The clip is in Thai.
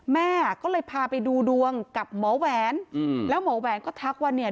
แม่ก็เลยพาไปดูดวงกับหมอแหวนอืมแล้วหมอแหวนก็ทักว่าเนี่ย